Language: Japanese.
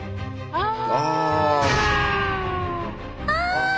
あ！あ！